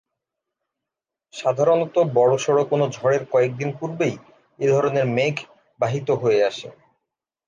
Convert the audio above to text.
সাধারণত বড়সড় কোনো ঝড়ের কয়েকদিন পূর্বেই এই ধরনের মেঘ বাহিত হয়ে আসে।